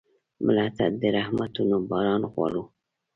مړه ته د رحمتونو باران غواړو